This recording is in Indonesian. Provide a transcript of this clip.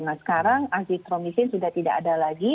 nah sekarang azitromisin sudah tidak ada lagi